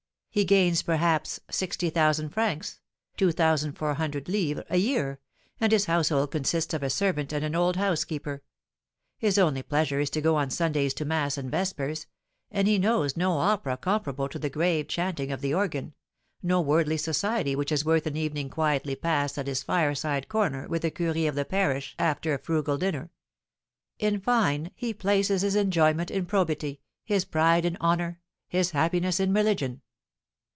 He gains, perhaps, sixty thousand francs (2,400_l._) a year, and his household consists of a servant and an old housekeeper. His only pleasure is to go on Sundays to mass and vespers, and he knows no opera comparable to the grave chanting of the organ, no worldly society which is worth an evening quietly passed at his fireside corner with the curé of the parish after a frugal dinner; in fine, he places his enjoyment in probity, his pride in honour, his happiness in religion."